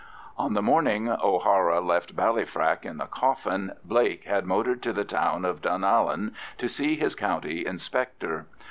On the morning O'Hara left Ballyfrack in the coffin, Blake had motored to the town of Dunallen to see his County Inspector.